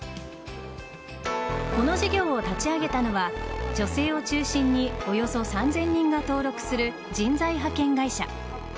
この事業を立ち上げたのは女性を中心におよそ３０００人が登録する人材派遣会社。